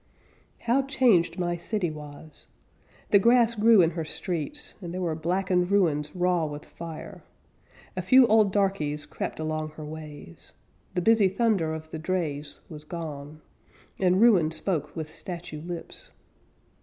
How changed my city was The grass grew in her streets, And there were blackened ruins raw with fire; A few old darkies crept along her ways; The busy thunder of the drays was gone; And ruin spoke with statue lips.